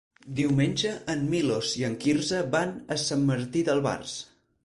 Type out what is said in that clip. Diumenge en Milos i en Quirze van a Sant Martí d'Albars.